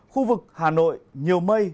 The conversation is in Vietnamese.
khu vực hà nội nhiều mây